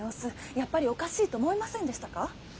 やっぱりおかしいと思いませんでしたか？